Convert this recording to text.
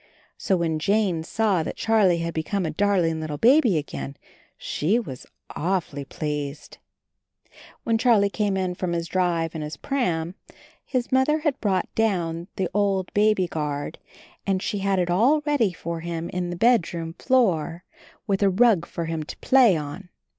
So when Jane saw that Charlie had become a dar ling little baby again she was awfully pleased. When Charlie came in from his drive in his pram his Mother had brought down the old baby guard and she had it all ready for ANB HIS KITTEN TOPSY 85 him, on the bedroom floor, with a rug for him to play on.